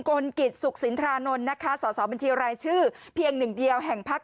กลกิจสุขสินทรานนท์นะคะสอสอบัญชีรายชื่อเพียงหนึ่งเดียวแห่งพัก